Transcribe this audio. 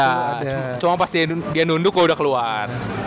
ada cuma pas dia nunduk gue udah keluar